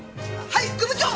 はい副部長！